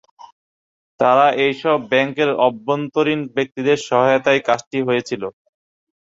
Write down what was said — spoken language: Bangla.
তারা এইসব ব্যাংকের অভ্যন্তরীণ ব্যক্তিদের সহায়তায় কাজটি হয়েছিল।